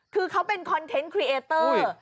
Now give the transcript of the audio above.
คือเขาเป็นคอนเทนต์ครีเอเตอร์